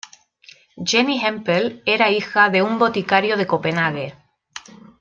Jenny Hempel era hija de un boticario de Copenhague.